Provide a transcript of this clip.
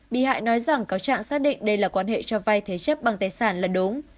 bị hại nói rằng cáo trạng xác định đây là quan hệ cho vay thế chấp bằng tài sản là đúng